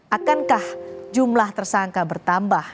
akankah jumlah tersangka bertambah